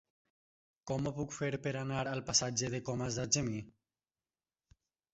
Com ho puc fer per anar al passatge de Comas d'Argemí?